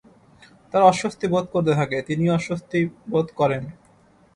তারা অস্বস্তি বোধ করতে থাকে, তিনিও অস্বস্তি বোধ করেন।